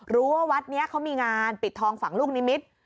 วัดนี้เขามีงานปิดทองฝั่งลูกนิมิตร